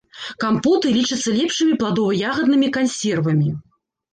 Кампоты лічацца лепшымі пладова-ягаднымі кансервамі.